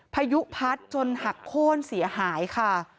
พายุพัดจนหักโค้นเสียหายค่ะ